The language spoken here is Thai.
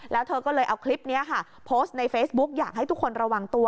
แล้วเธอก็เลยเอาคลิปนี้ค่ะโพสต์ในเฟซบุ๊กอยากให้ทุกคนระวังตัว